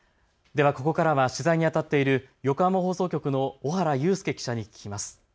ではここからは取材にあたっている横浜放送局の尾原悠介記者に聞きます。